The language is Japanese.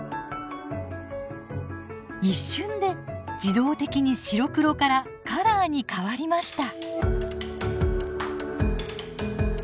一瞬で自動的に白黒からカラーに変わりました。